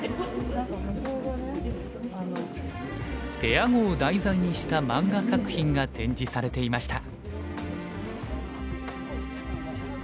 ペア碁を題材にした漫画作品が展示されていました。